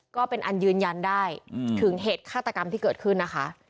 ก็เป็นอันยืนยันได้ถึงเหตุฆาตกรรมที่เกิดขึ้นนะคะ